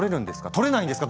取れないんですか？